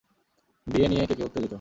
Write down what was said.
বিয়ে নিয়ে কে কে উত্তেজিত?